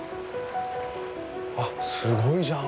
あっすごいじゃんこれ。